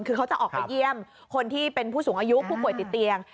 คือเขาจะออกไปเยี่ยมคนที่เป็นผู้สูงอายุผู้ป่วยติดเตียง